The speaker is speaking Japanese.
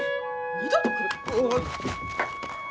二度と来るか！